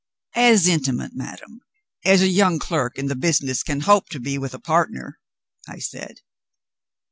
"As intimate, madam, as a young clerk in the business can hope to be with a partner," I said.